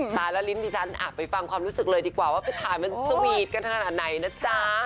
สารและลิ้นดิฉันไปฟังความรู้สึกเลยดีกว่าว่าไปถ่ายมันสวีทกันขนาดไหนนะจ๊ะ